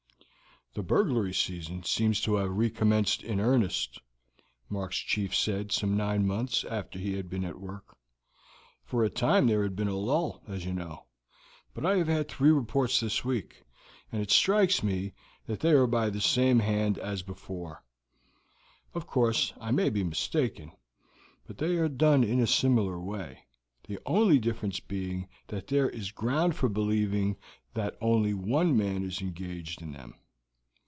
"The burglary season seems to have recommenced in earnest," Mark's chief said some nine months after he had been at work. "For a time there had been a lull, as you know, but I have had three reports this week, and it strikes me that they are by the same hand as before; of course I may be mistaken, but they are done in a similar way, the only difference being that there is ground for believing that only one man is engaged in them.